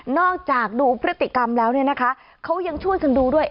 จากดูพฤติกรรมแล้วเนี่ยนะคะเขายังช่วยกันดูด้วย